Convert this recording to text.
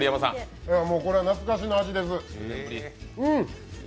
これ、懐かしの味です。